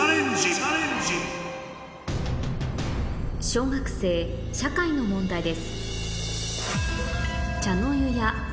小学生社会の問題です